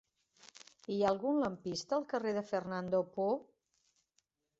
Hi ha algun lampista al carrer de Fernando Poo?